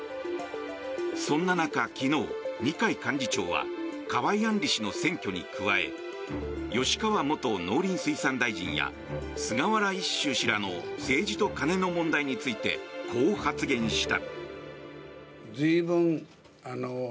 そんな中、昨日二階幹事長は河井案里氏の選挙に加え吉川元農林水産大臣や菅原一秀氏らの政治と金の問題についてこう発言した。